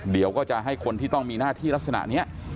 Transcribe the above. เดี๋ยวก็จะให้คนที่ต้องมีหน้าที่ลักษณะนี้